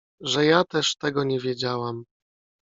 — Że ja też tego nie wiedziałam!